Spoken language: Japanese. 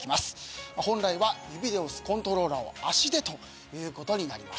本来は指で押すコントローラーを足でということになります。